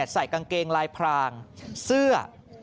ใส่กางเกงลายพรางเสื้อ